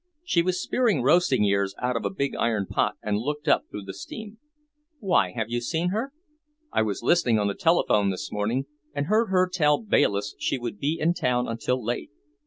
She was spearing roasting ears out of a big iron pot and looked up through the steam. "Why, have you seen her? I was listening on the telephone this morning and heard her tell Bayliss she would be in town until late."